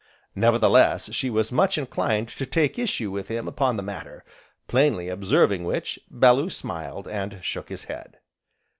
Nevertheless she was much inclined to take issue with him upon the matter; plainly observing which, Bellew smiled, and shook his head.